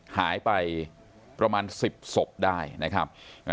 หายไปประมาณ๑๐ศพได้นะครับ